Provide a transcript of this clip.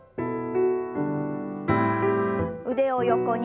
腕を横に。